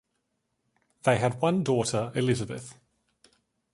They had one daughter, Elizabeth.